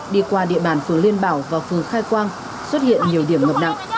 đi qua địa bàn phường liên bảo và phường khai quang xuất hiện nhiều điểm ngập nặng